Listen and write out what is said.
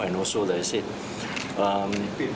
dan juga seperti yang saya katakan